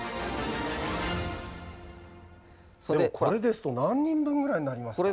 これですと何人分ぐらいになりますか？